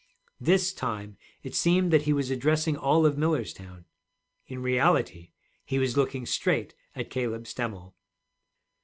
This time it seemed that he was addressing all of Millerstown. In reality he was looking straight at Caleb Stemmel.